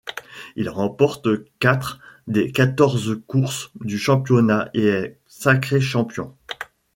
Il remporte quatre des quatorze courses du championnat et est sacré champion.